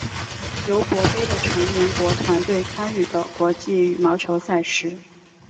尤伯杯的成员国团队参与的国际羽毛球赛事。